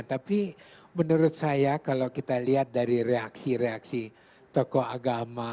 tapi menurut saya kalau kita lihat dari reaksi reaksi tokoh agama